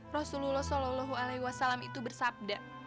rasulullah saw itu bersabda